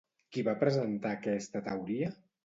Qui va presentar aquesta teoria?